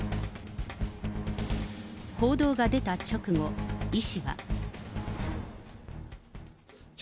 報道が出た直後、イ氏は。